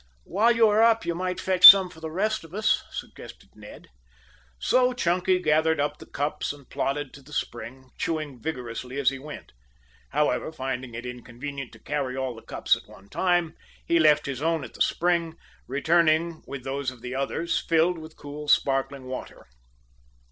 "While you are up you might fetch some for the rest of us," suggested Ned. So Chunky gathered up the cups and plodded to the spring, chewing vigorously as he went. However, finding it inconvenient to carry all the cups at one time, he left his own at the spring, returning with those of the others, filled with cool, sparkling water.